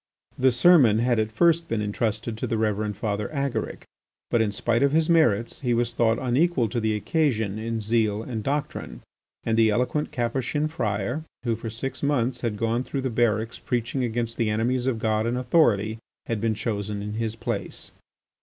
The sermon had at first been entrusted to the Reverend Father Agaric, but, in spite of his merits, he was thought unequal to the occasion in zeal and doctrine, and the eloquent Capuchin friar, who for six months had gone through the barracks preaching against the enemies of God and authority, had been chosen in his place.